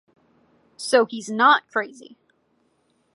So he's not crazy.